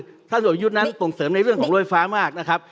ท่านระบาลเหตุประยุทธ์นั้นตรงเสริมในเรื่องของโรยไฟฟ้ามากนะครับ